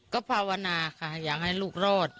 ก็ภาวนาค่ะอยากให้ลูกรอด